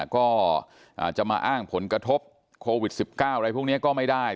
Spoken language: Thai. ก็จะมาอ้างผลกระทบโควิด๑๙อะไรพวกนี้ก็ไม่ได้